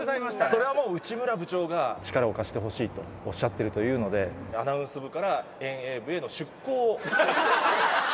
それはもう、内村部長が力を貸してほしいとおっしゃっているというので、アナウンス部から遠泳部への出向を。